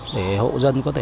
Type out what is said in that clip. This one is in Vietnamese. để hộ dân có thể